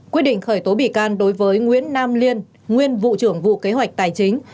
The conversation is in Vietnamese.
quyết định khởi tố bị can đối với nguyễn nam liên nguyên vụ trưởng vụ kế hoạch tài chính